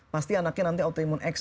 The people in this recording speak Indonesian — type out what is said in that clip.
pasti anaknya nanti autoimun x